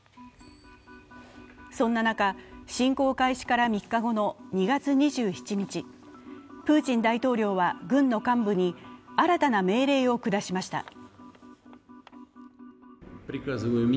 そんな中、侵攻開始から３日後の２月２７日、プーチン大統領は軍の幹部に新たな命令を下しました。